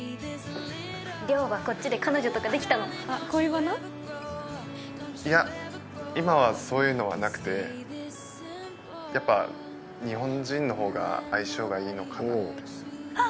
亮はこっちで彼女とかできたいや、今はそういうのはなくて、やっぱ日本人のほうが相性がいいのかなって。